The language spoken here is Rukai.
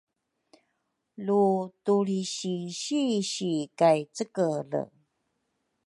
Lu tulrisisisi kay cekele